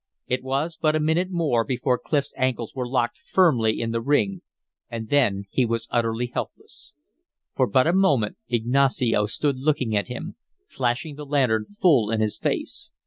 It was but a minute more before Clif's ankles were locked firmly in the ring, and then he was utterly helpless. For but a moment Ignacio stood looking at him, flashing the lantern full in his face.